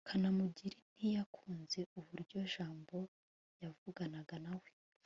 kanamugire ntiyakunze uburyo jabo yavuganaga na we